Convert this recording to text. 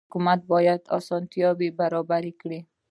حکومت باید اسانتیاوې برابرې کړي.